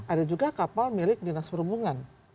ada juga kapal milik dinas perhubungan